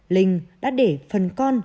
linh đã để phần con